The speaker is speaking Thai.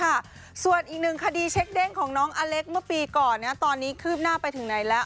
ค่ะส่วนอีกหนึ่งคดีเช็คเด้งของน้องอเล็กเมื่อปีก่อนนะตอนนี้คืบหน้าไปถึงไหนแล้ว